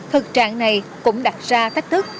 thực trạng này cũng đặt ra thách thức